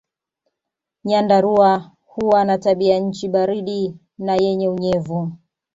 Nyandarua huwa na tabianchi baridi na yenye unyevu.